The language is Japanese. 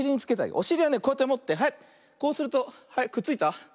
おしりはねこうやってもってはいこうするとくっついた。ね。